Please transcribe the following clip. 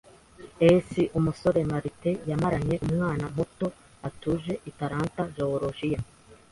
[S] Umusore Martin yamaranye umwana muto atuje i Atlanta, Jeworujiya.